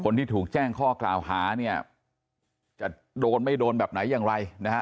คนที่ถูกแจ้งข้อกล่าวหาเนี่ยจะโดนไม่โดนแบบไหนอย่างไรนะฮะ